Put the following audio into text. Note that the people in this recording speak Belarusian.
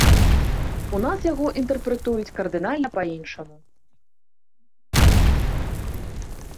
У нас яго інтэрпрэтуюць кардынальна па-іншаму.